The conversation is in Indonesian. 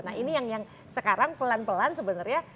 nah ini yang sekarang pelan pelan sebenarnya